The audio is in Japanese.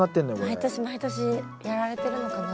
毎年毎年やられてるのかな。